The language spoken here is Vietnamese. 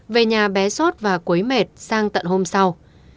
về nhà bé sốt và quấy mệt sang tận hôm sau